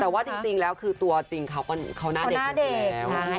แต่ว่าจริงแล้วคือตัวจริงเขาหน้าเด็กกันอยู่แล้ว